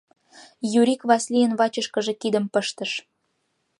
Юрик Васлийын вачышкыже кидым пыштыш.